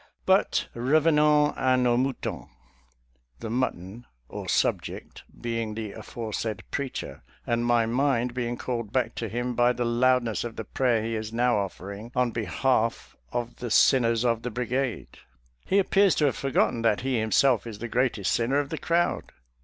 But revenons a nos moutons — the mutton, or subject, being the aforesaid preacher, and my mind being called back to him by the loudness of the prayer he is now offering in behalf of the sinners of the bri gade. He appears to have forgotten that he him self is the greatest sinner of the crowd.